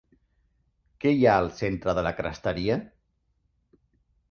Què hi ha al centre de la cresteria?